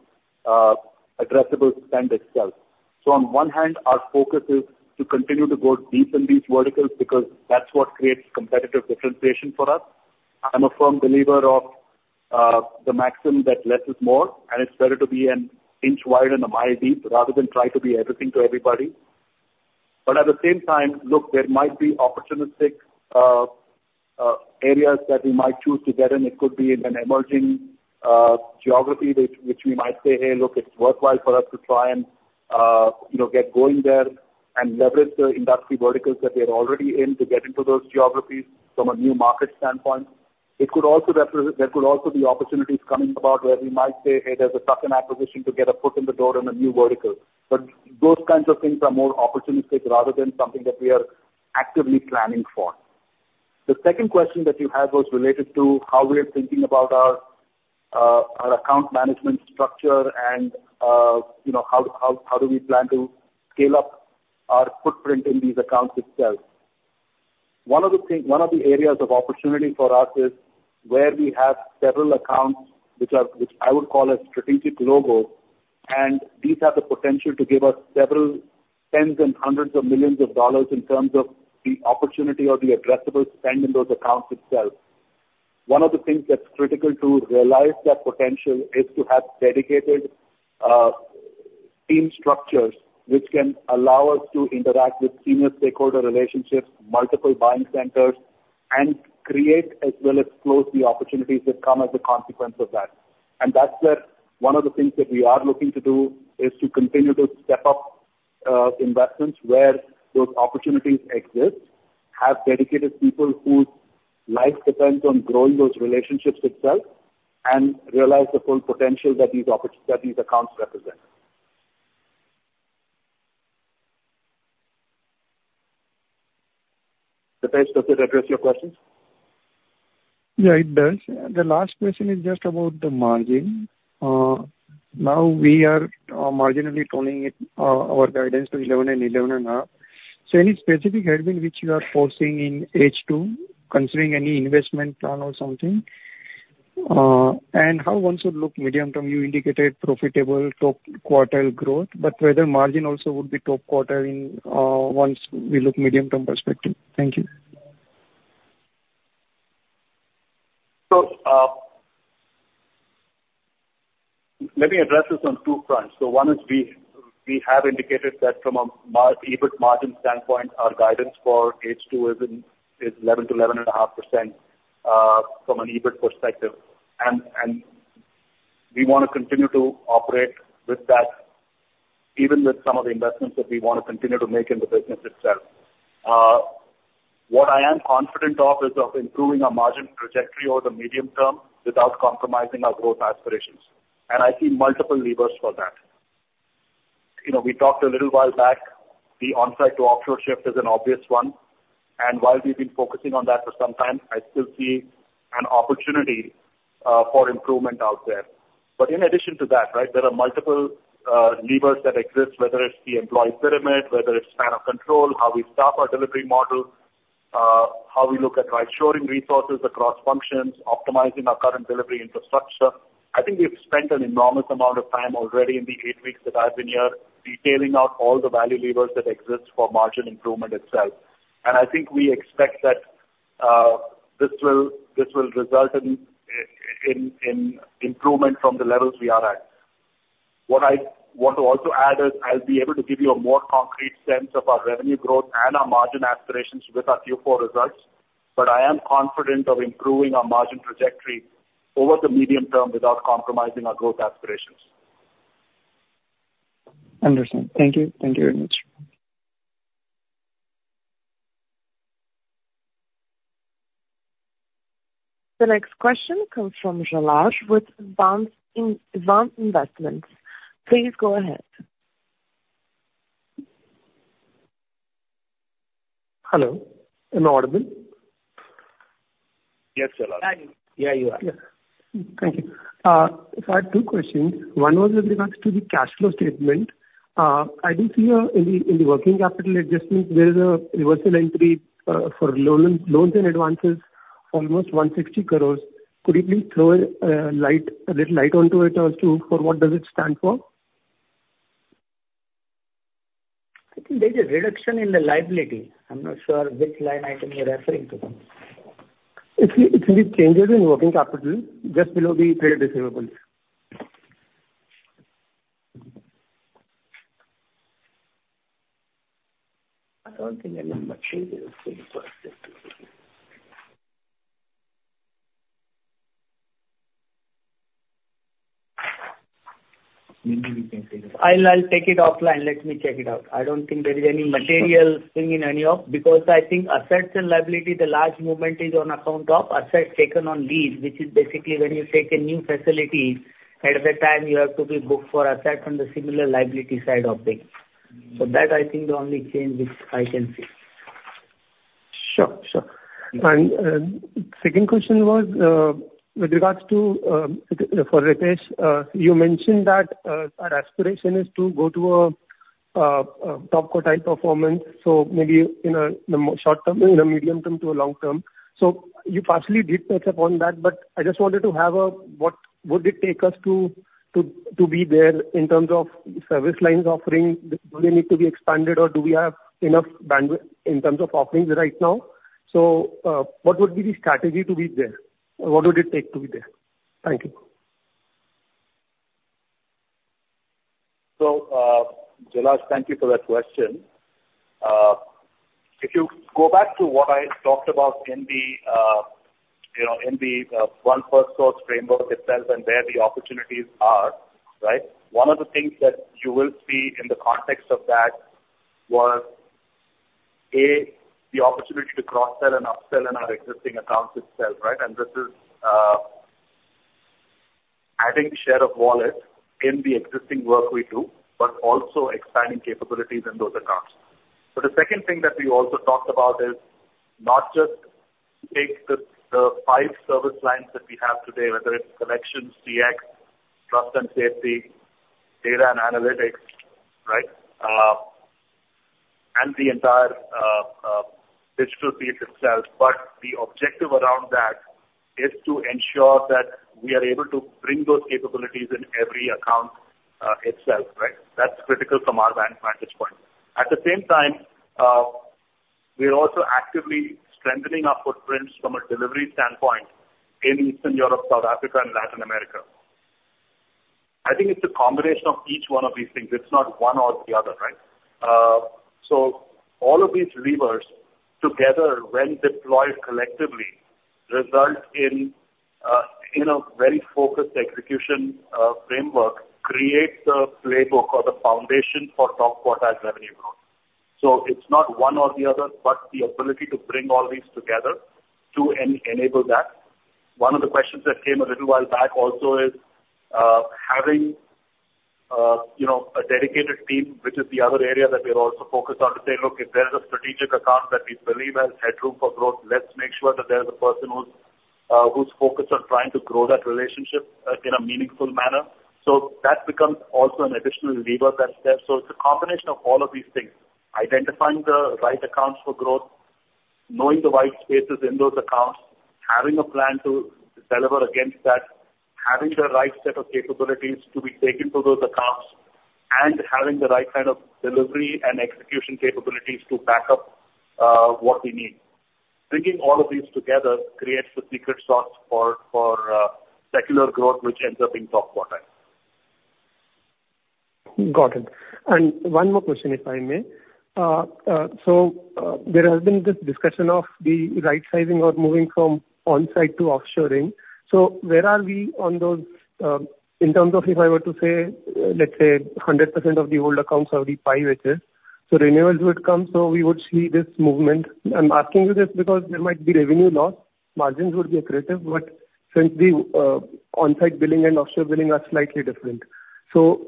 addressable spend itself. So on one hand, our focus is to continue to go deep in these verticals because that's what creates competitive differentiation for us. I'm a firm believer of the maxim that less is more, and it's better to be an inch wide and a mile deep, rather than try to be everything to everybody. But at the same time, look, there might be opportunistic areas that we might choose to get in. It could be in an emerging geography which we might say, "Hey, look, it's worthwhile for us to try and, you know, get going there and leverage the industry verticals that we are already in to get into those geographies from a new market standpoint." It could also represent. There could also be opportunities coming about where we might say, "Hey, there's a acquisition to get a foot in the door in a new vertical." But those kinds of things are more opportunistic rather than something that we are actively planning for. The second question that you had was related to how we are thinking about our account management structure and, you know, how do we plan to scale up our footprint in these accounts itself? One of the thing... One of the areas of opportunity for us is where we have several accounts which are, which I would call a strategic logo, and these have the potential to give us several tens and hundreds of millions of dollars in terms of the opportunity or the addressable spend in those accounts itself. One of the things that's critical to realize that potential is to have dedicated team structures, which can allow us to interact with senior stakeholder relationships, multiple buying centers, and create as well as close the opportunities that come as a consequence of that. And that's where one of the things that we are looking to do, is to continue to step up investments where those opportunities exist, have dedicated people whose life depends on growing those relationships itself, and realize the full potential that these accounts represent. Dipesh, does that address your question? Yeah, it does. The last question is just about the margin. Now we are marginally tuning our guidance to 11%-11.5%. So any specific which you are foresee in H2, considering any investment plan or something? And how once you look medium term, you indicated profitable top quartile growth, but whether margin also would be top quartile in once we look medium-term perspective. Thank you. So, let me address this on two fronts. So one is we have indicated that from a margin EBIT margin standpoint, our guidance for H2 is 11%-11.5%, from an EBIT perspective. And we want to continue to operate with that, even with some of the investments that we want to continue to make in the business itself. What I am confident of is improving our margin trajectory over the medium term without compromising our growth aspirations, and I see multiple levers for that. You know, we talked a little while back, the onsite to offshore shift is an obvious one, and while we've been focusing on that for some time, I still see an opportunity for improvement out there. But in addition to that, right, there are multiple levers that exist, whether it's the employee pyramid, whether it's span of control, how we staff our delivery model, how we look at rightshoring resources across functions, optimizing our current delivery infrastructure. I think we've spent an enormous amount of time already in the eight weeks that I've been here, detailing out all the value levers that exist for margin improvement itself. And I think we expect that this will result in in improvement from the levels we are at. What I want to also add is, I'll be able to give you a more concrete sense of our revenue growth and our margin aspirations with our Q4 results, but I am confident of improving our margin trajectory over the medium term without compromising our growth aspirations. Understand. Thank you. Thank you very much. The next question comes from Jalaj with Svan Investments. Please go ahead. Hello. Am I audible? Yes, Jalaj. Yeah, you are. Thank you. So I have two questions. One was with regards to the cash flow statement. I do see, in the, in the working capital adjustments, there is a reversal entry, for loans and advances, almost 160 crores. Could you please throw light, a little light onto it as to for what does it stand for? I think there's a reduction in the liability. I'm not sure which line item you're referring to. It's the changes in working capital, just below the trade receivables. I don't think any. (inaudible) I'll, I'll take it offline. Let me check it out. I don't think there is any material thing in any of... Because I think assets and liability, the large movement is on account of assets taken on lease, which is basically when you take a new facility, ahead of the time you have to be booked for asset on the similar liability side of things. So that I think the only change which I can see. Sure. Sure. And second question was with regards to for Ritesh. You mentioned that our aspiration is to go to a top quartile performance, so maybe in the short term, in a medium term to a long term. So you partially did touch upon that, but I just wanted to have what would it take us to be there in terms of service lines offering? Do they need to be expanded, or do we have enough bandwidth in terms of offerings right now? So what would be the strategy to be there? What would it take to be there? Thank you. So, Jalaj, thank you for that question. If you go back to what I talked about in the, you know, in the One Firstsource framework itself and where the opportunities are, right? One of the things that you will see in the context of that was, A, the opportunity to cross-sell and up-sell in our existing accounts itself, right? And this is adding share of wallet in the existing work we do, but also expanding capabilities in those accounts. So the second thing that we also talked about is not just take the five service lines that we have today, whether it's collections, CX, trust and safety, data and analytics, right? And the entire digital piece itself. But the objective around that is to ensure that we are able to bring those capabilities in every account itself, right? That's critical from our vantage point. At the same time, we are also actively strengthening our footprints from a delivery standpoint in Eastern Europe, South Africa and Latin America. I think it's a combination of each one of these things. It's not one or the other, right? So all of these levers together, when deployed collectively, result in a very focused execution framework, creates the playbook or the foundation for top quartile revenue growth. So it's not one or the other, but the ability to bring all these together to enable that. One of the questions that came a little while back also is, having, you know, a dedicated team, which is the other area that we are also focused on, to say: Look, if there is a strategic account that we believe has headroom for growth, let's make sure that there is a person who's, who's focused on trying to grow that relationship, in a meaningful manner. So that becomes also an additional lever that's there. So it's a combination of all of these things, identifying the right accounts for growth, knowing the white spaces in those accounts, having a plan to deliver against that, having the right set of capabilities to be taken to those accounts, and having the right kind of delivery and execution capabilities to back up, what we need. Bringing all of these together creates the secret sauce for secular growth, which ends up in top quartile. Got it. And one more question, if I may. So, there has been this discussion of the rightsizing or moving from on-site to offshoring. So where are we on those, in terms of, if I were to say, let's say 100% of the old accounts are the, (inaudible) so renewals would come, so we would see this movement. I'm asking you this because there might be revenue loss. Margins would be accretive, but since the, on-site billing and offshore billing are slightly different. So,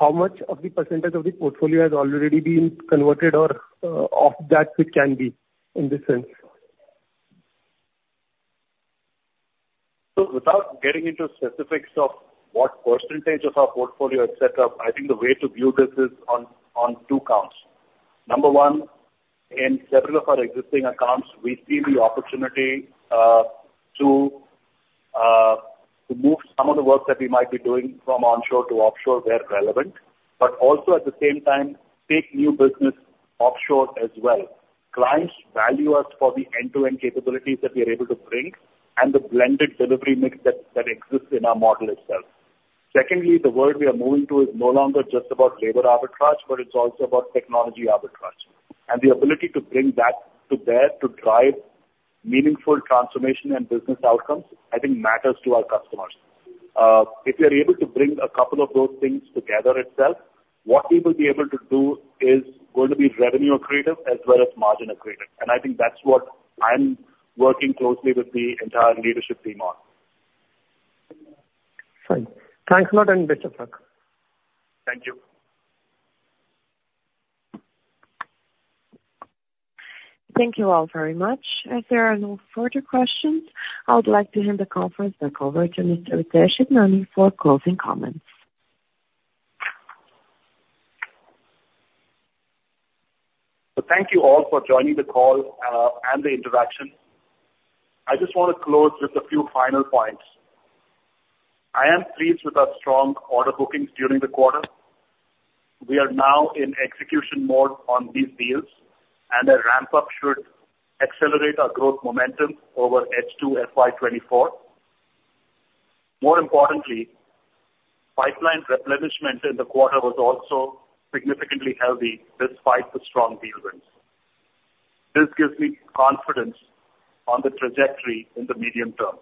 how much of the percentage of the portfolio has already been converted or, of that which can be, in this sense? So without getting into specifics of what percentage of our portfolio et cetera, I think the way to view this is on two counts. Number one, in several of our existing accounts, we see the opportunity to move some of the work that we might be doing from onshore to offshore, where relevant, but also, at the same time, take new business offshore as well. Clients value us for the end-to-end capabilities that we are able to bring and the blended delivery mix that exists in our model itself. Secondly, the world we are moving to is no longer just about labor arbitrage, but it's also about technology arbitrage. And the ability to bring that to bear, to drive meaningful transformation and business outcomes, I think matters to our customers. If we are able to bring a couple of those things together itself, what we will be able to do is going to be revenue accretive as well as margin accretive, and I think that's what I'm working closely with the entire leadership team on. Fine. Thanks a lot and best of luck. Thank you. Thank you all very much. As there are no further questions, I would like to end the conference by handing over to Mr. Ritesh Idnani for closing comments. So thank you all for joining the call, and the interaction. I just want to close with a few final points. I am pleased with our strong order bookings during the quarter. We are now in execution mode on these deals, and a ramp-up should accelerate our growth momentum over H2 FY 2024. More importantly, pipeline replenishment in the quarter was also significantly healthy despite the strong deal wins. This gives me confidence on the trajectory in the medium term.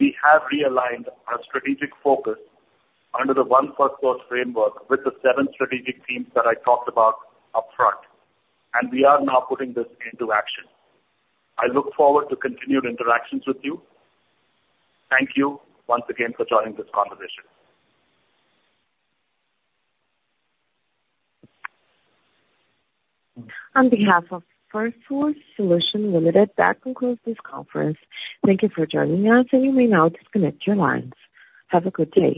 We have realigned our strategic focus under the One Firstsource framework with the seven strategic themes that I talked about upfront, and we are now putting this into action. I look forward to continued interactions with you. Thank you once again for joining this conversation. On behalf of Firstsource Solutions Limited, that concludes this conference. Thank you for joining us, and you may now disconnect your lines. Have a good day.